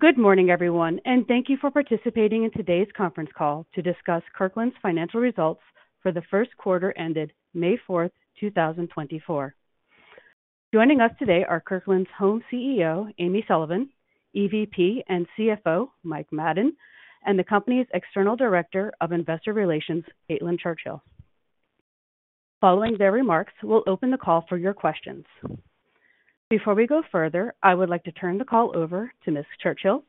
Good morning, everyone, and thank you for participating in Today's Conference Call to Discuss Kirkland's Financial Results for the First Quarter ended May 4, 2024. Joining us today are Kirkland's Home CEO, Amy Sullivan, EVP and CFO, Mike Madden, and the company's External Director of Investor Relations, Caitlin Churchill. Following their remarks, we'll open the call for your questions. Before we go further, I would like to turn the call over to Ms. Churchill.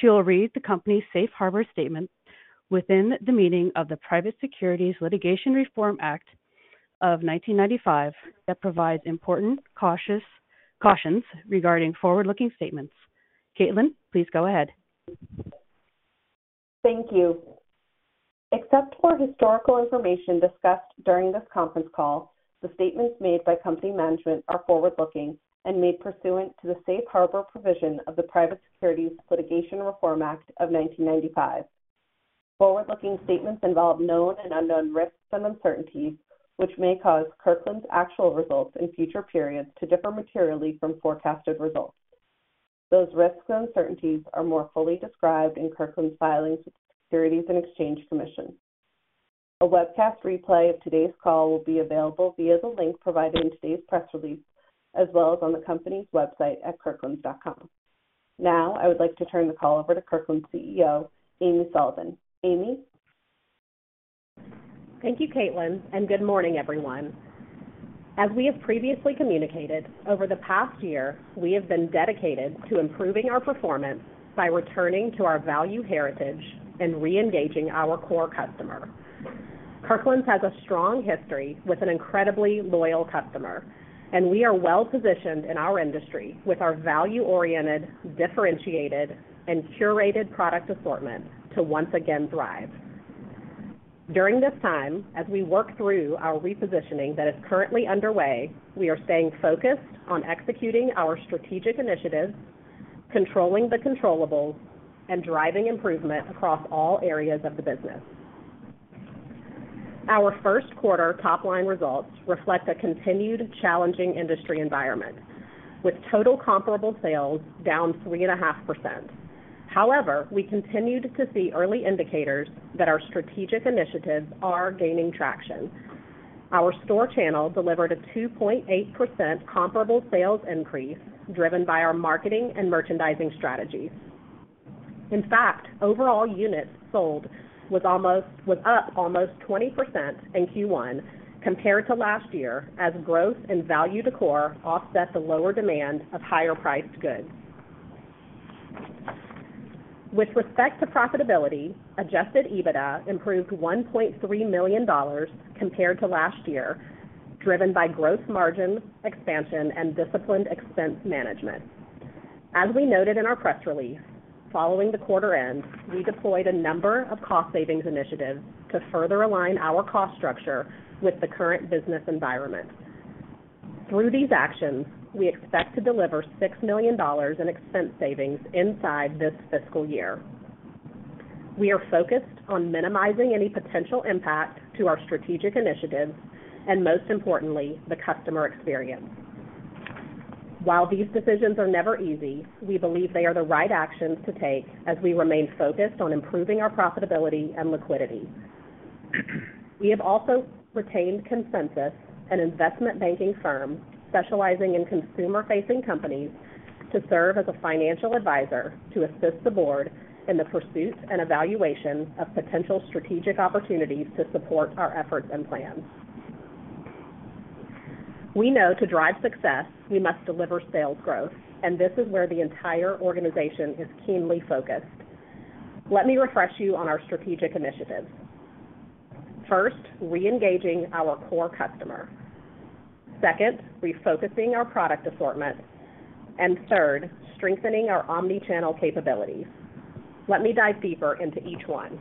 She will read the company's Safe Harbor statement within the meaning of the Private Securities Litigation Reform Act of 1995, that provides important cautions regarding forward-looking statements. Caitlin, please go ahead. Thank you. Except for historical information discussed during this conference call, the statements made by company management are forward-looking and made pursuant to the Safe Harbor provision of the Private Securities Litigation Reform Act of 1995. Forward-looking statements involve known and unknown risks and uncertainties, which may cause Kirkland's actual results in future periods to differ materially from forecasted results. Those risks and uncertainties are more fully described in Kirkland's filings with the Securities and Exchange Commission. A webcast replay of today's call will be available via the link provided in today's press release, as well as on the company's website at kirklands.com. Now, I would like to turn the call over to Kirkland's CEO, Amy Sullivan. Amy? Thank you, Caitlin, and good morning, everyone. As we have previously communicated, over the past year, we have been dedicated to improving our performance by returning to our value heritage and reengaging our core customer. Kirkland's has a strong history with an incredibly loyal customer, and we are well-positioned in our industry with our value-oriented, differentiated, and curated product assortment to once again thrive. During this time, as we work through our repositioning that is currently underway, we are staying focused on executing our strategic initiatives, controlling the controllables, and driving improvement across all areas of the business. Our first quarter top-line results reflect a continued challenging industry environment, with total comparable sales down 3.5%. However, we continued to see early indicators that our strategic initiatives are gaining traction. Our store channel delivered a 2.8% comparable sales increase, driven by our marketing and merchandising strategies. In fact, overall units sold was up almost 20% in Q1 compared to last year, as growth in value décor offset the lower demand for higher-priced goods. With respect to profitability, Adjusted EBITDA improved $1.3 million compared to last year, driven by gross margin expansion and disciplined expense management. As we noted in our press release, following the quarter end, we deployed a number of cost savings initiatives to further align our cost structure with the current business environment. Through these actions, we expect to deliver $6 million in expense savings inside this fiscal year. We are focused on minimizing any potential impact to our strategic initiatives, and most importantly, the customer experience. While these decisions are never easy, we believe they are the right actions to take as we remain focused on improving our profitability and liquidity. We have also retained Consensus, an investment banking firm specializing in consumer-facing companies, to serve as a financial advisor to assist the board in the pursuit and evaluation of potential strategic opportunities to support our efforts and plans. We know to drive success, we must deliver sales growth, and this is where the entire organization is keenly focused. Let me refresh you on our strategic initiatives. First, reengaging our core customer. Second, refocusing our product assortment, and third, strengthening our omni-channel capabilities. Let me dive deeper into each one.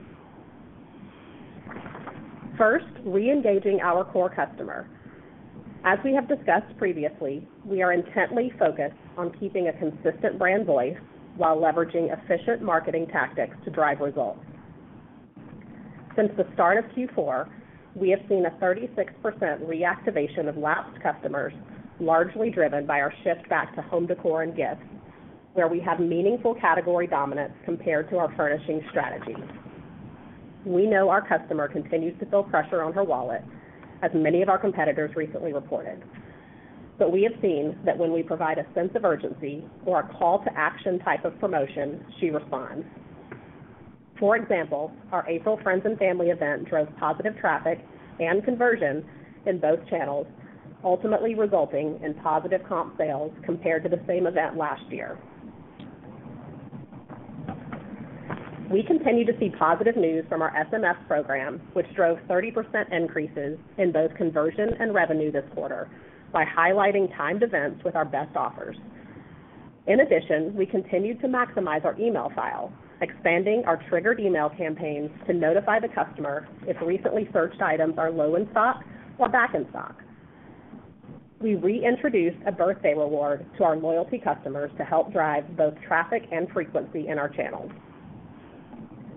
First, reengaging our core customer. As we have discussed previously, we are intently focused on keeping a consistent brand voice while leveraging efficient marketing tactics to drive results. Since the start of Q4, we have seen a 36% reactivation of lapsed customers, largely driven by our shift back to home decor and gifts, where we have meaningful category dominance compared to our furnishing strategies. We know our customer continues to feel pressure on her wallet, as many of our competitors recently reported. But we have seen that when we provide a sense of urgency or a call to action type of promotion, she responds. For example, our April Friends and Family event drove positive traffic and conversion in both channels, ultimately resulting in positive comp sales compared to the same event last year. We continue to see positive news from our SMS program, which drove 30% increases in both conversion and revenue this quarter by highlighting timed events with our best offers. In addition, we continued to maximize our email file, expanding our triggered email campaigns to notify the customer if recently searched items are low in stock or back in stock. We reintroduced a birthday reward to our loyalty customers to help drive both traffic and frequency in our channels.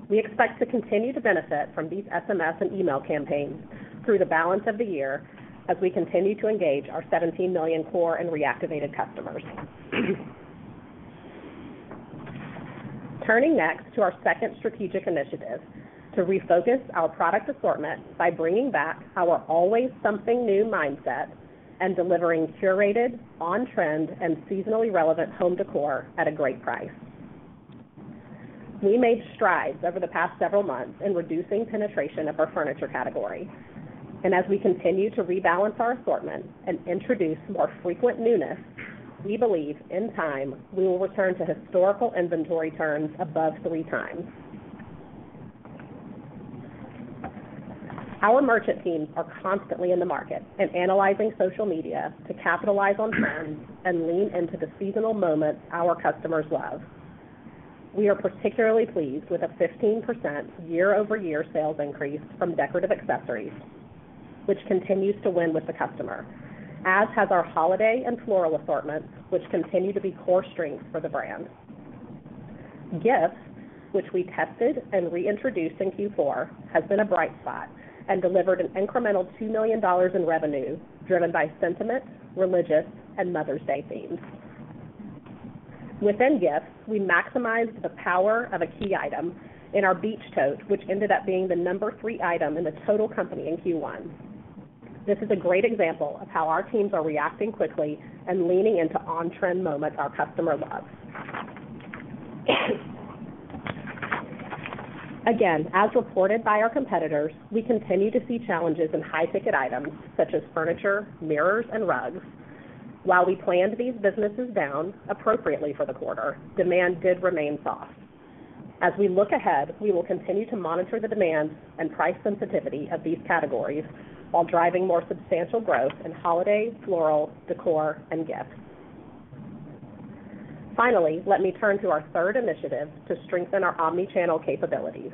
We expect to continue to benefit from these SMS and email campaigns through the balance of the year as we continue to engage our 17 million core and reactivated customers. Turning next to our second strategic initiative, to refocus our product assortment by bringing back our Always Something New mindset and delivering curated, on-trend, and seasonally relevant home décor at a great price. We made strides over the past several months in reducing penetration of our furniture category. As we continue to rebalance our assortment and introduce more frequent newness, we believe, in time, we will return to historical inventory turns above 3 times. Our merchant teams are constantly in the market and analyzing social media to capitalize on trends and lean into the seasonal moments our customers love. We are particularly pleased with a 15% year-over-year sales increase from decorative accessories, which continues to win with the customer, as has our holiday and floral assortment, which continue to be core strengths for the brand. Gifts, which we tested and reintroduced in Q4, has been a bright spot and delivered an incremental $2 million in revenue, driven by sentiment, religious, and Mother's Day themes. Within gifts, we maximized the power of a key item in our beach tote, which ended up being the number 3 item in the total company in Q1. This is a great example of how our teams are reacting quickly and leaning into on-trend moments our customer loves. Again, as reported by our competitors, we continue to see challenges in high-ticket items such as furniture, mirrors, and rugs. While we planned these businesses down appropriately for the quarter, demand did remain soft. As we look ahead, we will continue to monitor the demand and price sensitivity of these categories while driving more substantial growth in holiday, floral, decor, and gift. Finally, let me turn to our third initiative to strengthen our omni-channel capabilities.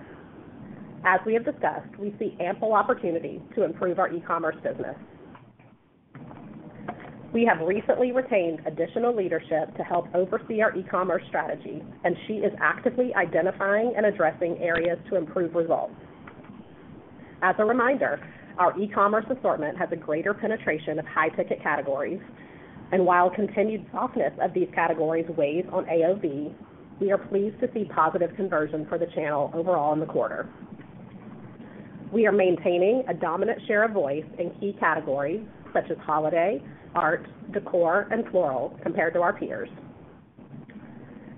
As we have discussed, we see ample opportunity to improve our e-commerce business. We have recently retained additional leadership to help oversee our e-commerce strategy, and she is actively identifying and addressing areas to improve results. As a reminder, our e-commerce assortment has a greater penetration of high-ticket categories, and while continued softness of these categories weighs on AOV, we are pleased to see positive conversion for the channel overall in the quarter. We are maintaining a dominant share of voice in key categories, such as holiday, art, decor, and floral, compared to our peers.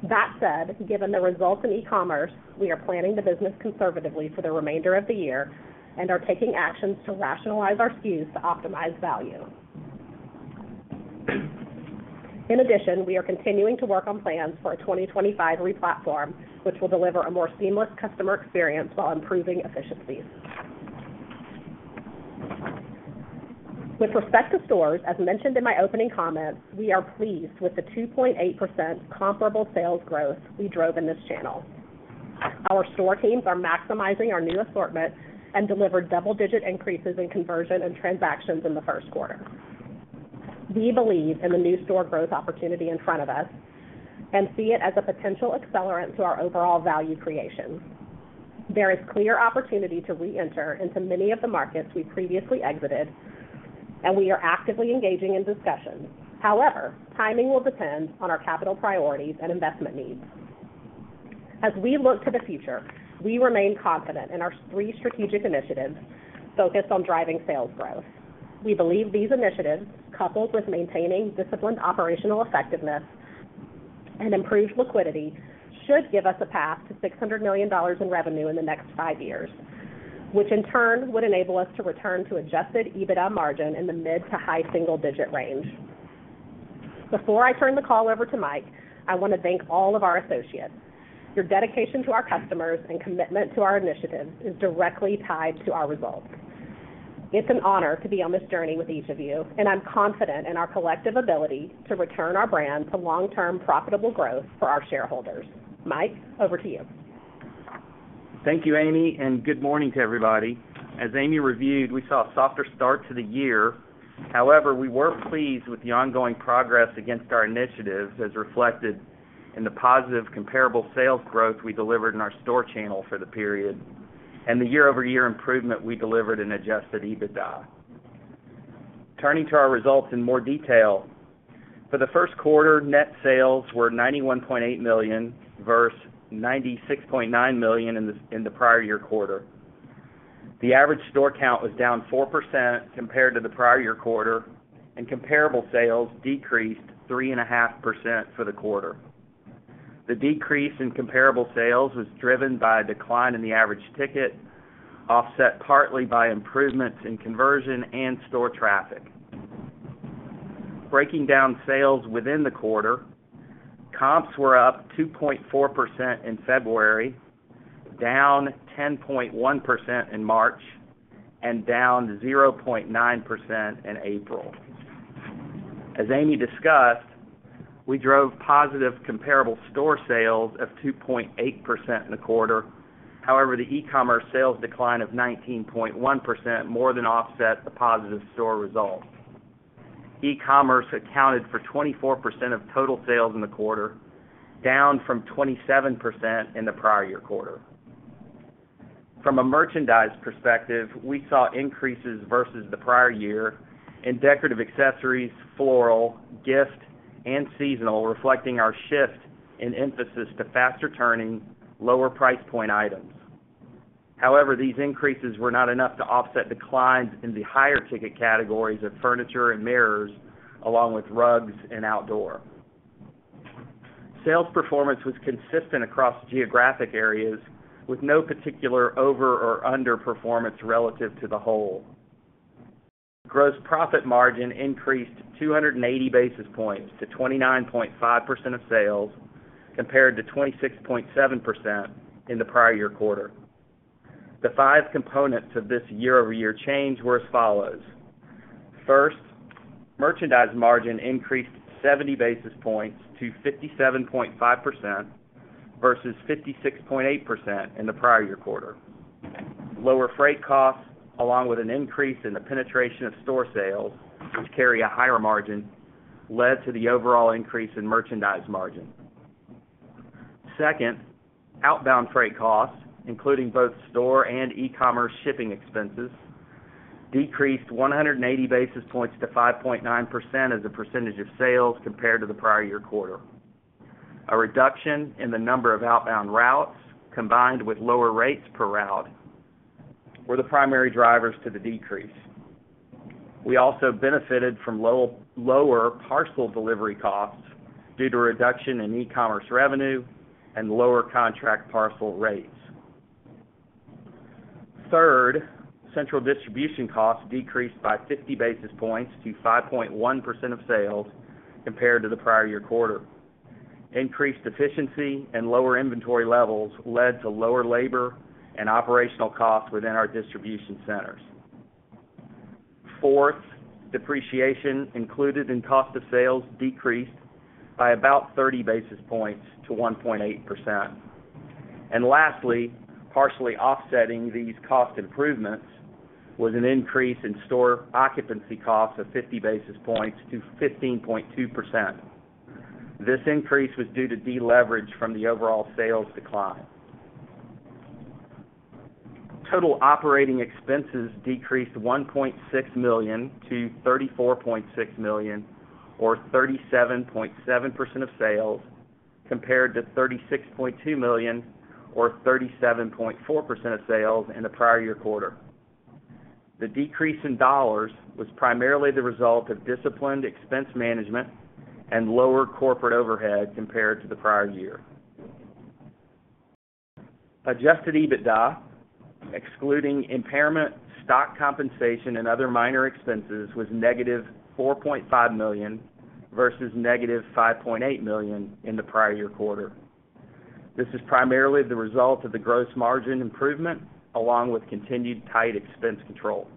That said, given the results in e-commerce, we are planning the business conservatively for the remainder of the year and are taking actions to rationalize our SKUs to optimize value. In addition, we are continuing to work on plans for a 2025 replatform, which will deliver a more seamless customer experience while improving efficiencies. With respect to stores, as mentioned in my opening comments, we are pleased with the 2.8% comparable sales growth we drove in this channel. Our store teams are maximizing our new assortment and delivered double-digit increases in conversion and transactions in the first quarter. We believe in the new store growth opportunity in front of us and see it as a potential accelerant to our overall value creation. There is clear opportunity to reenter into many of the markets we previously exited, and we are actively engaging in discussions. However, timing will depend on our capital priorities and investment needs. As we look to the future, we remain confident in our three strategic initiatives focused on driving sales growth. We believe these initiatives, coupled with maintaining disciplined operational effectiveness and improved liquidity, should give us a path to $600 million in revenue in the next five years, which in turn would enable us to return to Adjusted EBITDA margin in the mid to high single-digit range. Before I turn the call over to Mike, I want to thank all of our associates. Your dedication to our customers and commitment to our initiatives is directly tied to our results. It's an honor to be on this journey with each of you, and I'm confident in our collective ability to return our brand to long-term profitable growth for our shareholders. Mike, over to you. Thank you, Amy, and good morning to everybody. As Amy reviewed, we saw a softer start to the year. However, we were pleased with the ongoing progress against our initiatives, as reflected in the positive comparable sales growth we delivered in our store channel for the period and the year-over-year improvement we delivered in Adjusted EBITDA. Turning to our results in more detail. For the first quarter, net sales were $91.8 million versus $96.9 million in the prior year quarter. The average store count was down 4% compared to the prior year quarter, and comparable sales decreased 3.5% for the quarter. The decrease in comparable sales was driven by a decline in the average ticket, offset partly by improvements in conversion and store traffic. Breaking down sales within the quarter, comps were up 2.4% in February, down 10.1% in March, and down 0.9% in April. As Amy discussed, we drove positive comparable store sales of 2.8% in the quarter. However, the e-commerce sales decline of 19.1% more than offset the positive store results. e-commerce accounted for 24% of total sales in the quarter, down from 27% in the prior year quarter. From a merchandise perspective, we saw increases versus the prior year in decorative accessories, floral, gift, and seasonal, reflecting our shift in emphasis to faster-turning, lower price point items. However, these increases were not enough to offset declines in the higher ticket categories of furniture and mirrors, along with rugs and outdoor. Sales performance was consistent across geographic areas, with no particular over or underperformance relative to the whole. Gross profit margin increased 280 basis points to 29.5% of sales, compared to 26.7% in the prior year quarter. The five components of this year-over-year change were as follows: First, merchandise margin increased 70 basis points to 57.5% versus 56.8% in the prior year quarter. Lower freight costs, along with an increase in the penetration of store sales, which carry a higher margin, led to the overall increase in merchandise margin. Second, outbound freight costs, including both store and e-commerce shipping expenses, decreased 180 basis points to 5.9% as a percentage of sales compared to the prior year quarter. A reduction in the number of outbound routes, combined with lower rates per route, were the primary drivers to the decrease. We also benefited from lower parcel delivery costs due to a reduction in e-commerce revenue and lower contract parcel rates. Third, central distribution costs decreased by 50 basis points to 5.1% of sales compared to the prior year quarter. Increased efficiency and lower inventory levels led to lower labor and operational costs within our distribution centers. Fourth, depreciation included in cost of sales decreased by about 30 basis points to 1.8%. And lastly, partially offsetting these cost improvements was an increase in store occupancy costs of 50 basis points to 15.2%. This increase was due to deleverage from the overall sales decline. Total operating expenses decreased $1.6 million to $34.6 million, or 37.7% of sales, compared to $36.2 million, or 37.4% of sales in the prior year quarter. The decrease in dollars was primarily the result of disciplined expense management and lower corporate overhead compared to the prior year. Adjusted EBITDA, excluding impairment, stock compensation, and other minor expenses, was negative $4.5 million, versus negative $5.8 million in the prior year quarter. This is primarily the result of the gross margin improvement, along with continued tight expense control.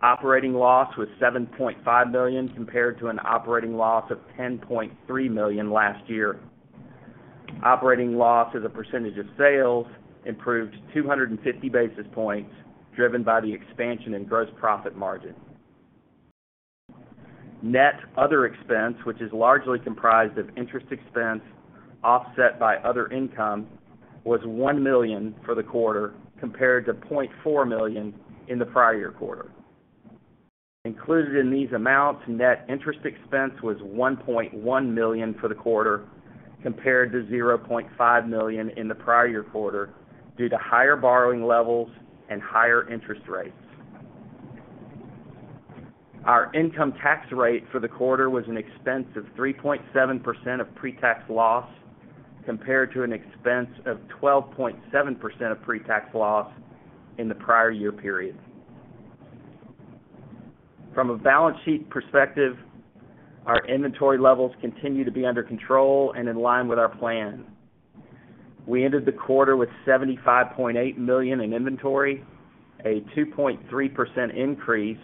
Operating loss was $7.5 million, compared to an operating loss of $10.3 million last year. Operating loss as a percentage of sales improved 250 basis points, driven by the expansion in gross profit margin. Net other expense, which is largely comprised of interest expense offset by other income, was $1 million for the quarter, compared to $0.4 million in the prior year quarter. Included in these amounts, net interest expense was $1.1 million for the quarter, compared to $0.5 million in the prior year quarter, due to higher borrowing levels and higher interest rates. Our income tax rate for the quarter was an expense of 3.7% of pre-tax loss, compared to an expense of 12.7% of pre-tax loss in the prior year period. From a balance sheet perspective, our inventory levels continue to be under control and in line with our plan. We ended the quarter with $75.8 million in inventory, a 2.3% increase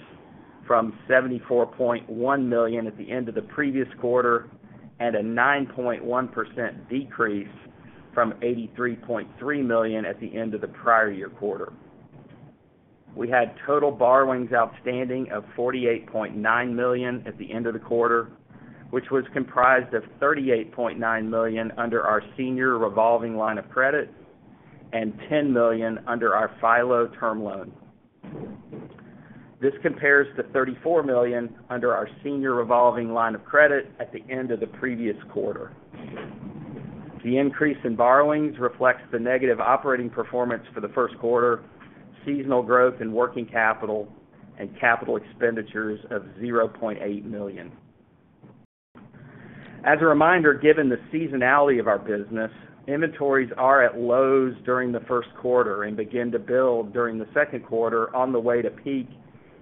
from $74.1 million at the end of the previous quarter, and a 9.1% decrease from $83.3 million at the end of the prior year quarter. We had total borrowings outstanding of $48.9 million at the end of the quarter, which was comprised of $38.9 million under our senior revolving line of credit and $10 million under our FILO term loan. This compares to $34 million under our senior revolving line of credit at the end of the previous quarter. The increase in borrowings reflects the negative operating performance for the first quarter, seasonal growth in working capital, and capital expenditures of $0.8 million. As a reminder, given the seasonality of our business, inventories are at lows during the first quarter and begin to build during the second quarter on the way to peak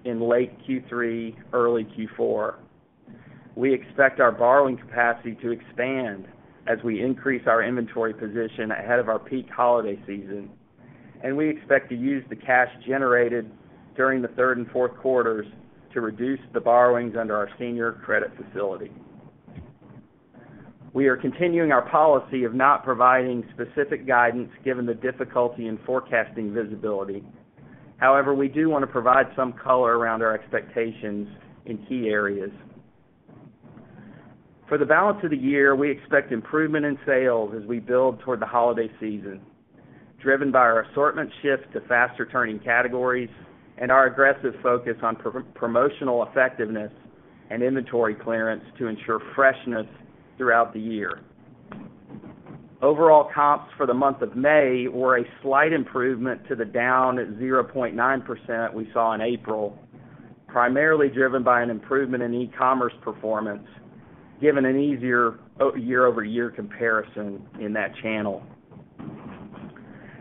in late Q3, early Q4. We expect our borrowing capacity to expand as we increase our inventory position ahead of our peak holiday season, and we expect to use the cash generated during the third and fourth quarters to reduce the borrowings under our senior credit facility. We are continuing our policy of not providing specific guidance, given the difficulty in forecasting visibility. However, we do want to provide some color around our expectations in key areas. For the balance of the year, we expect improvement in sales as we build toward the holiday season, driven by our assortment shift to faster-turning categories and our aggressive focus on promotional effectiveness and inventory clearance to ensure freshness throughout the year. Overall comps for the month of May were a slight improvement to the down 0.9% we saw in April, primarily driven by an improvement in e-commerce performance, given an easier year-over-year comparison in that channel.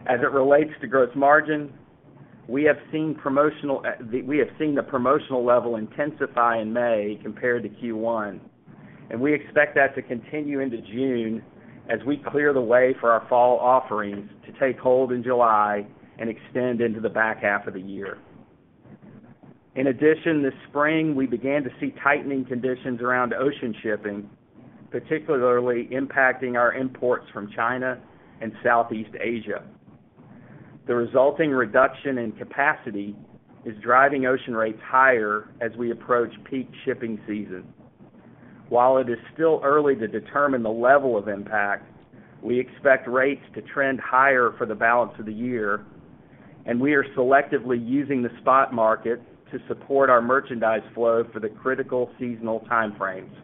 As it relates to gross margin, we have seen the promotional level intensify in May compared to Q1, and we expect that to continue into June as we clear the way for our fall offerings to take hold in July and extend into the back half of the year. In addition, this spring, we began to see tightening conditions around ocean shipping, particularly impacting our imports from China and Southeast Asia. The resulting reduction in capacity is driving ocean rates higher as we approach peak shipping season. While it is still early to determine the level of impact, we expect rates to trend higher for the balance of the year, and we are selectively using the spot market to support our merchandise flow for the critical seasonal time frames.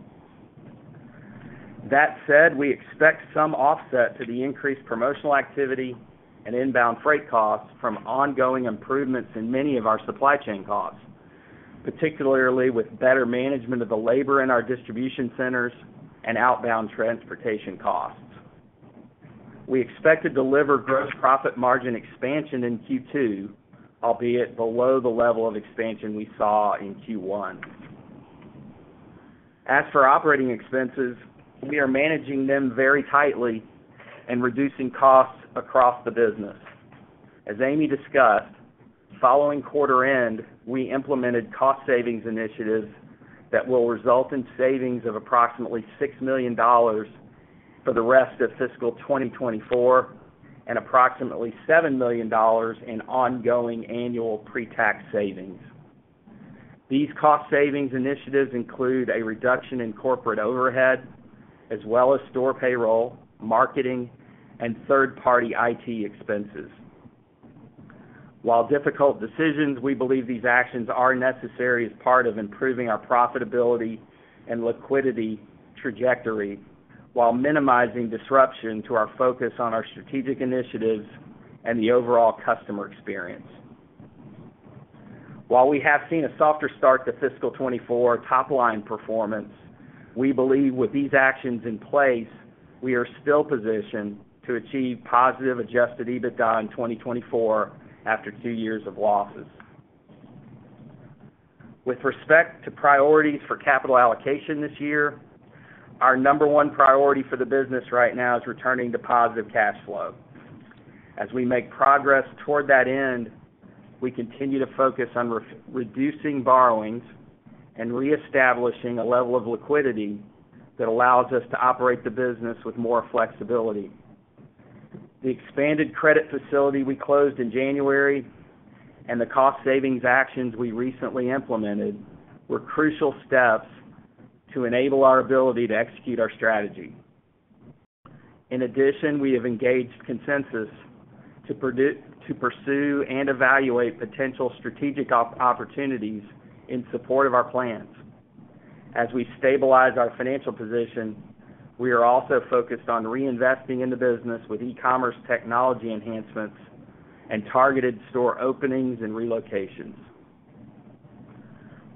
That said, we expect some offset to the increased promotional activity and inbound freight costs from ongoing improvements in many of our supply chain costs, particularly with better management of the labor in our distribution centers and outbound transportation costs. We expect to deliver gross profit margin expansion in Q2, albeit below the level of expansion we saw in Q1. As for operating expenses, we are managing them very tightly and reducing costs across the business. As Amy discussed, following quarter end, we implemented cost savings initiatives that will result in savings of approximately $6 million for the rest of fiscal 2024, and approximately $7 million in ongoing annual pretax savings. These cost savings initiatives include a reduction in corporate overhead, as well as store payroll, marketing, and third-party IT expenses. While difficult decisions, we believe these actions are necessary as part of improving our profitability and liquidity trajectory, while minimizing disruption to our focus on our strategic initiatives and the overall customer experience. While we have seen a softer start to fiscal 2024 top line performance, we believe with these actions in place, we are still positioned to achieve positive adjusted EBITDA in 2024 after two years of losses. With respect to priorities for capital allocation this year, our number one priority for the business right now is returning to positive cash flow. As we make progress toward that end, we continue to focus on reducing borrowings and reestablishing a level of liquidity that allows us to operate the business with more flexibility. The expanded credit facility we closed in January and the cost savings actions we recently implemented, were crucial steps to enable our ability to execute our strategy. In addition, we have engaged Consensus to pursue and evaluate potential strategic opportunities in support of our plans. As we stabilize our financial position, we are also focused on reinvesting in the business with e-commerce technology enhancements and targeted store openings and relocations.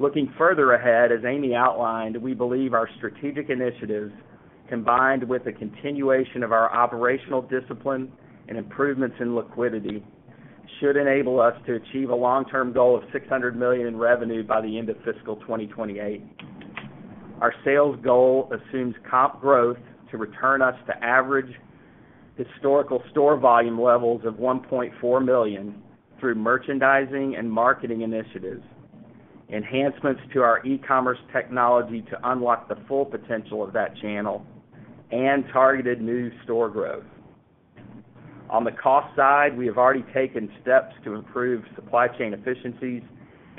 Looking further ahead, as Amy outlined, we believe our strategic initiatives, combined with the continuation of our operational discipline and improvements in liquidity, should enable us to achieve a long-term goal of $600 million in revenue by the end of fiscal 2028. Our sales goal assumes comp growth to return us to average historical store volume levels of $1.4 million through merchandising and marketing initiatives, enhancements to our e-commerce technology to unlock the full potential of that channel, and targeted new store growth. On the cost side, we have already taken steps to improve supply chain efficiencies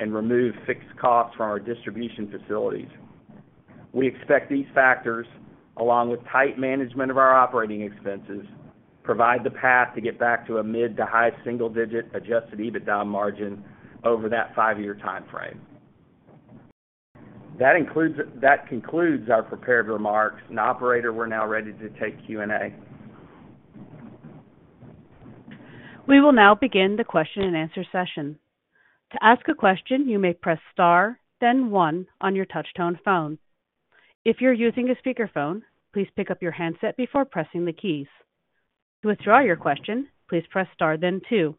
and remove fixed costs from our distribution facilities. We expect these factors, along with tight management of our operating expenses, provide the path to get back to a mid- to high-single-digit Adjusted EBITDA margin over that 5-year time frame. That concludes our prepared remarks. Operator, we're now ready to take Q&A. We will now begin the question-and-answer session. To ask a question, you may press star, then one on your touchtone phone. If you're using a speakerphone, please pick up your handset before pressing the keys. To withdraw your question, please press star, then two.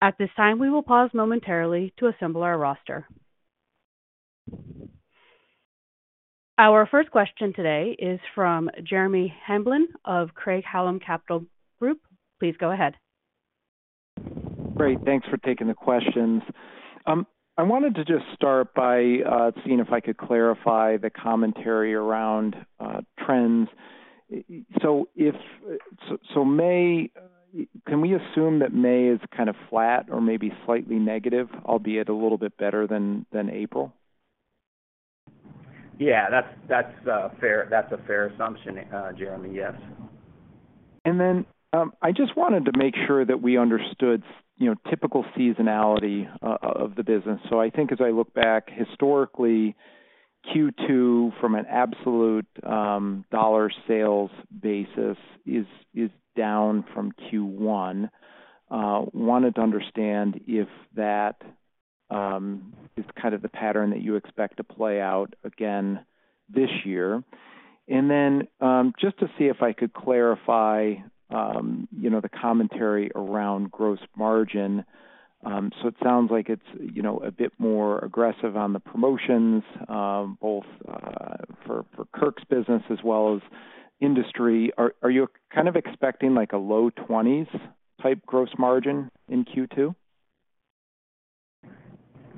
At this time, we will pause momentarily to assemble our roster. Our first question today is from Jeremy Hamblin of Craig-Hallum Capital Group. Please go ahead. Great. Thanks for taking the questions. I wanted to just start by seeing if I could clarify the commentary around trends. So, May, can we assume that May is kind of flat or maybe slightly negative, albeit a little bit better than April? Yeah, that's a fair assumption, Jeremy. Yes. And then, I just wanted to make sure that we understood, you know, typical seasonality of the business. So I think as I look back historically, Q2, from an absolute, dollar sales basis, is down from Q1. Wanted to understand if that is kind of the pattern that you expect to play out again this year. And then, just to see if I could clarify, you know, the commentary around gross margin. So it sounds like it's, you know, a bit more aggressive on the promotions, both for Kirkland's business as well as industry. Are you kind of expecting like a low twenties type gross margin in Q2?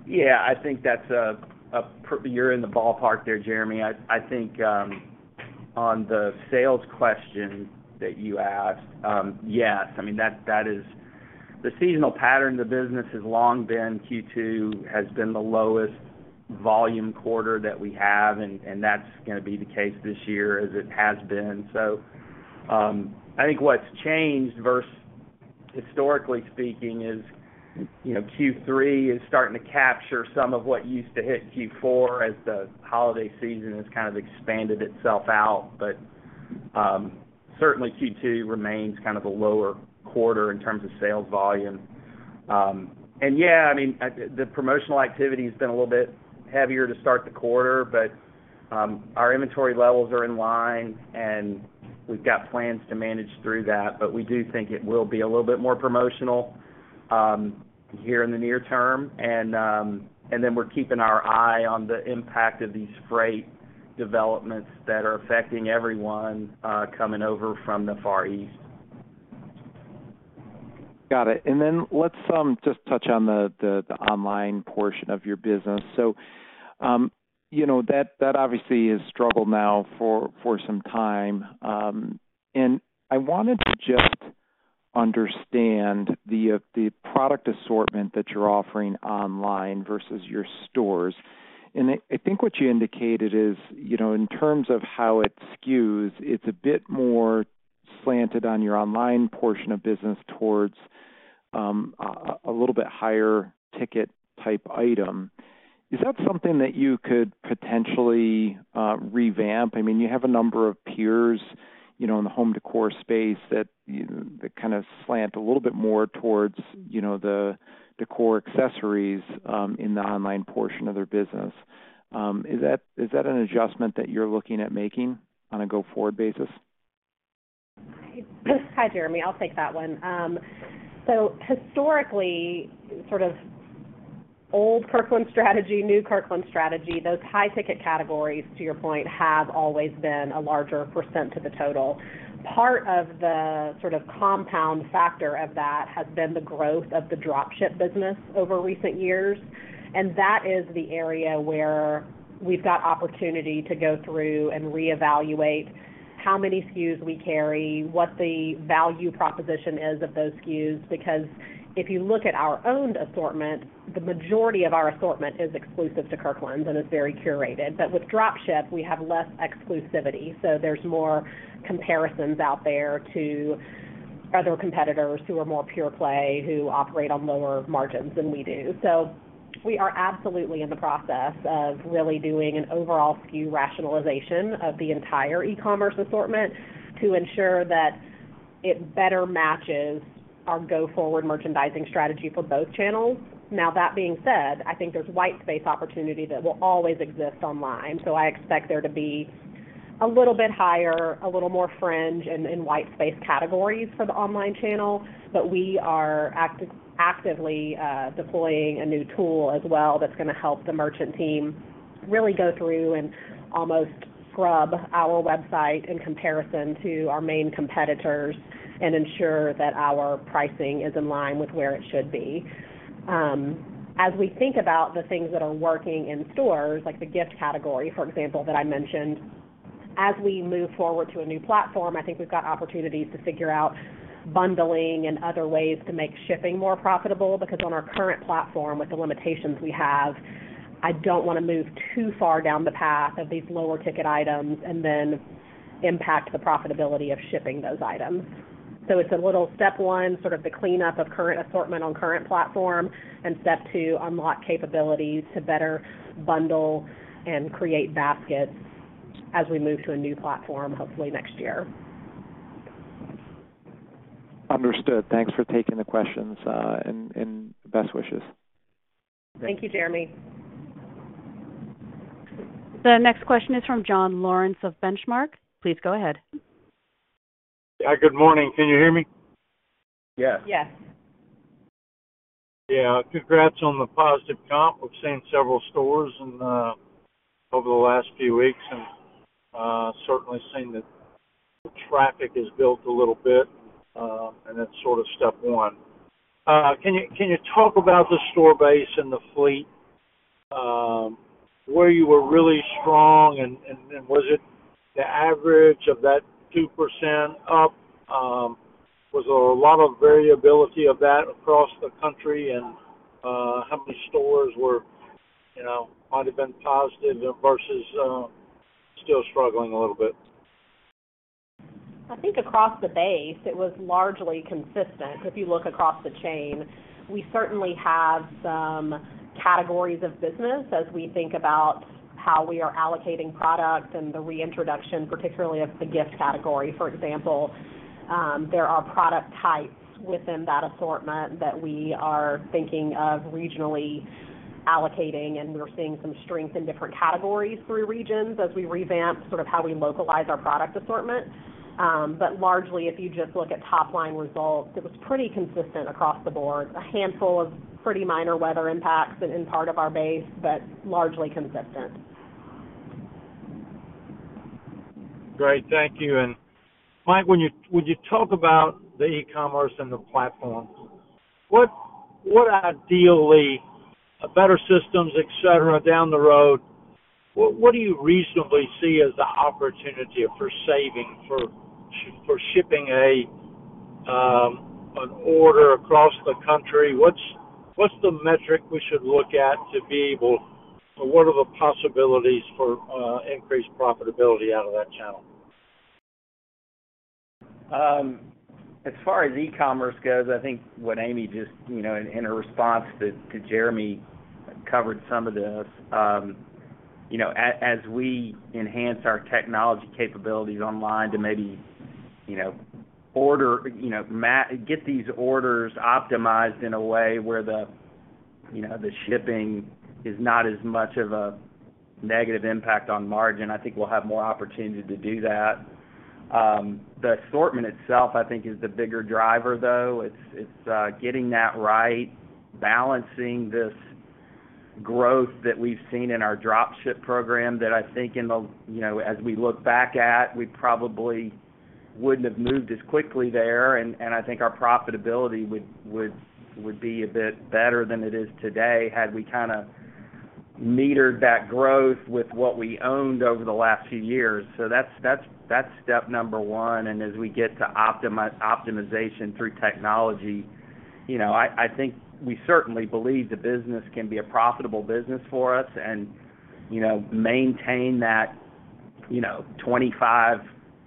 Yeah, I think you're in the ballpark there, Jeremy. I think on the sales question that you asked, yes, I mean, that is the seasonal pattern. The business has long been Q2 has been the lowest volume quarter that we have, and that's gonna be the case this year as it has been. So, I think what's changed versus historically speaking is, you know, Q3 is starting to capture some of what used to hit Q4 as the holiday season has kind of expanded itself out. But, certainly Q2 remains kind of the lower quarter in terms of sales volume. And yeah, I mean, the promotional activity has been a little bit heavier to start the quarter, but, our inventory levels are in line, and we've got plans to manage through that. But we do think it will be a little bit more promotional here in the near term. And, and then we're keeping our eye on the impact of these freight developments that are affecting everyone, coming over from the Far East. Got it. And then let's just touch on the online portion of your business. So, you know, that obviously is struggled now for some time. And I wanted to just understand the product assortment that you're offering online versus your stores. And I think what you indicated is, you know, in terms of how it skews, it's a bit more slanted on your online portion of business towards a little bit higher ticket type item. Is that something that you could potentially revamp? I mean, you have a number of peers, you know, in the home decor space that kind of slant a little bit more towards, you know, the decor accessories in the online portion of their business. Is that an adjustment that you're looking at making on a go-forward basis? Hi, Jeremy. I'll take that one. So, historically, sort of old Kirkland's strategy, new Kirkland's strategy, those high ticket categories, to your point, have always been a larger percent of the total. Part of the sort of compound factor of that has been the growth of the drop ship business over recent years, and that is the area where we've got opportunity to go through and reevaluate how many SKUs we carry, what the value proposition is of those SKUs, because if you look at our own assortment, the majority of our assortment is exclusive to Kirkland's and is very curated. But with drop ship, we have less exclusivity, so there's more comparisons out there to other competitors who are more pure play, who operate on lower margins than we do. So we are absolutely in the process of really doing an overall SKU rationalization of the entire e-commerce assortment to ensure that it better matches our go-forward merchandising strategy for both channels. Now, that being said, I think there's white space opportunity that will always exist online, so I expect there to be a little bit higher, a little more fringe and white space categories for the online channel. But we are actively deploying a new tool as well that's gonna help the merchant team really go through and almost scrub our website in comparison to our main competitors and ensure that our pricing is in line with where it should be. As we think about the things that are working in stores, like the gift category, for example, that I mentioned, as we move forward to a new platform, I think we've got opportunities to figure out bundling and other ways to make shipping more profitable, because on our current platform, with the limitations we have, I don't want to move too far down the path of these lower ticket items and then impact the profitability of shipping those items. So it's a little step one, sort of the cleanup of current assortment on current platform, and step two, unlock capabilities to better bundle and create baskets as we move to a new platform, hopefully next year. Understood. Thanks for taking the questions, and best wishes. Thank you, Jeremy. The next question is from John Lawrence of Benchmark. Please go ahead. Yeah. Good morning. Can you hear me? Yes. Yes. Yeah. Congrats on the positive comp. We've seen several stores and over the last few weeks and certainly seen traffic is built a little bit, and that's sort of step one. Can you talk about the store base and the fleet, where you were really strong and was it the average of that 2% up? Was there a lot of variability of that across the country? And how many stores were, you know, might have been positive versus still struggling a little bit? I think across the base, it was largely consistent. If you look across the chain, we certainly have some categories of business as we think about how we are allocating product and the reintroduction, particularly of the gift category, for example. There are product types within that assortment that we are thinking of regionally allocating, and we're seeing some strength in different categories through regions as we revamp sort of how we localize our product assortment. But largely, if you just look at top line results, it was pretty consistent across the board. A handful of pretty minor weather impacts in part of our base, but largely consistent. Great. Thank you. And Mike, would you talk about the e-commerce and the platform? What ideally, a better systems, et cetera, down the road, what do you reasonably see as the opportunity for saving for shipping an order across the country? What's the metric we should look at to be able. Or what are the possibilities for increased profitability out of that channel? As far as e-commerce goes, I think what Amy just, you know, in her response to Jeremy, covered some of this. You know, as we enhance our technology capabilities online to maybe, you know, get these orders optimized in a way where the, you know, the shipping is not as much of a negative impact on margin, I think we'll have more opportunity to do that. The assortment itself, I think, is the bigger driver, though. It's getting that right, balancing this growth that we've seen in our drop ship program that I think in the, you know, as we look back at, we probably wouldn't have moved as quickly there. I think our profitability would be a bit better than it is today, had we kind of metered that growth with what we owned over the last few years. So that's step number one. And as we get to optimization through technology, you know, I think we certainly believe the business can be a profitable business for us and, you know, maintain that, you know,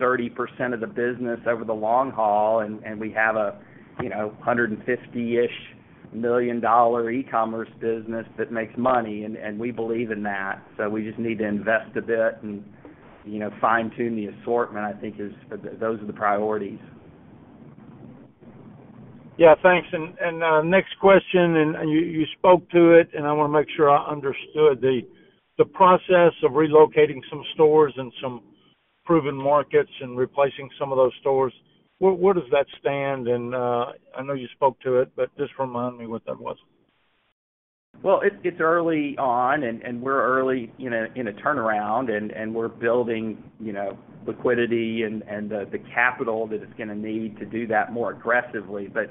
25%-30% of the business over the long haul, and we have a, you know, $150-ish million e-commerce business that makes money, and we believe in that. So we just need to invest a bit and, you know, fine-tune the assortment, I think. Those are the priorities. Yeah, thanks. Next question, you spoke to it, and I wanna make sure I understood the process of relocating some stores in some proven markets and replacing some of those stores. Where does that stand? And, I know you spoke to it, but just remind me what that was. Well, it's early on, and we're early in a turnaround, and we're building, you know, liquidity and the capital that it's gonna need to do that more aggressively. But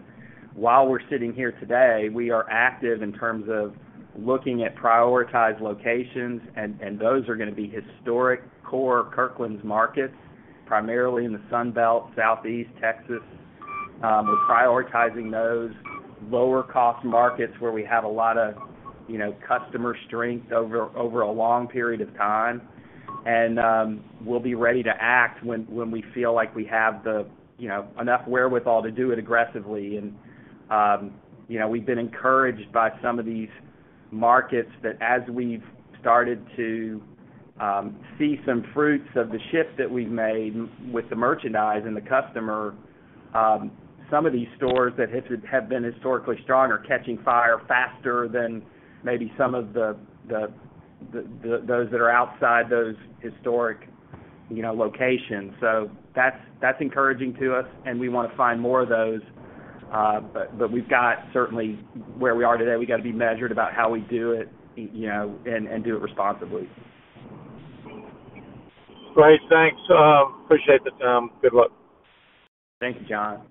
while we're sitting here today, we are active in terms of looking at prioritized locations, and those are gonna be historic core Kirkland's markets, primarily in the Sun Belt, Southeast Texas. We're prioritizing those lower-cost markets where we have a lot of, you know, customer strength over a long period of time. And we'll be ready to act when we feel like we have the, you know, enough wherewithal to do it aggressively. You know, we've been encouraged by some of these markets that as we've started to see some fruits of the shifts that we've made with the merchandise and the customer, some of these stores that have been historically strong are catching fire faster than maybe some of those that are outside those historic, you know, locations. So that's encouraging to us, and we wanna find more of those. But we've got certainly where we are today, we've got to be measured about how we do it, you know, and do it responsibly. Great, thanks. Appreciate the time. Good luck. Thanks, John.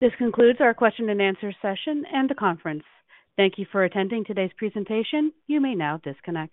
This concludes our question and answer session and the conference. Thank you for attending today's presentation. You may now disconnect.